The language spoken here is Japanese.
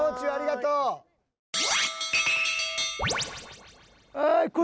はい！